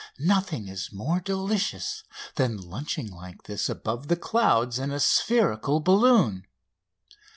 Nothing is more delicious than lunching like this above the clouds in a spherical balloon.